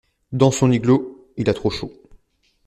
Dans son igloo, il a trop chaud.